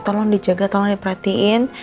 tolong dijaga tolong diperhatiin